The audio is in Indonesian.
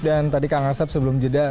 dan tadi kang asep sebelum jeda